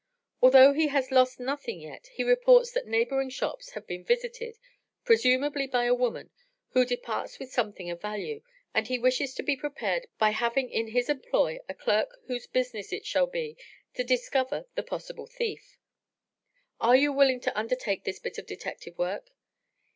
Although he has lost nothing as yet, he reports that neighboring shops have been visited, presumably by a woman, who departs with something of value, and he wishes to be prepared by having in his employ a clerk whose business it shall be to discover the possible thief. Are you willing to undertake this bit of detective work?